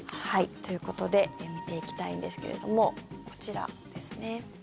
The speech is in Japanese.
ということで見ていきたいんですけれどもこちらですね。